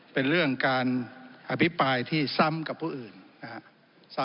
เป็นเรื่องการอภิปรายที่ซ้ำกับผู้อื่นนะครับ